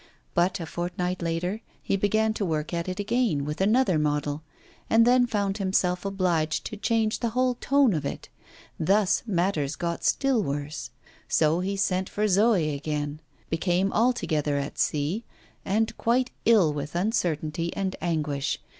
But a fortnight later, he began to work at it again with another model, and then found himself obliged to change the whole tone of it. Thus matters got still worse; so he sent for Zoé again; became altogether at sea, and quite ill with uncertainty and anguish.